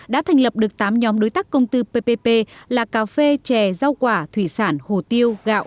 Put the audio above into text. đã thành lập được tám nhóm đối tác công tư ppp là cà phê chè rau quả thủy sản hồ tiêu gạo